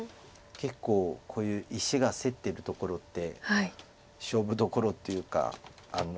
結構こういう石が競ってるところって勝負どころっていうか。